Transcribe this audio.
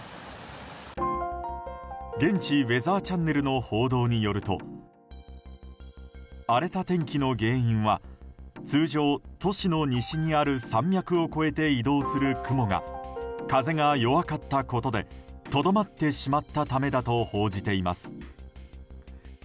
現地、ウェザーチャンネルの報道によると荒れた天気の原因は通常、都市の西にある山脈を越えて移動する雲が風が弱かったことでとどまってしまったためだと報じています。